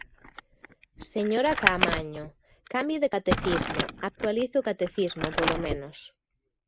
Señora Caamaño, cambie de catecismo, actualice o catecismo, polo menos.